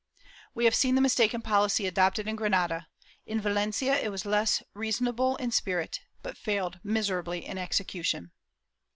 We have seen the mistaken policy adopted in Granada; in Valencia it was less unreasonable in spirit, but failed miserably in execution.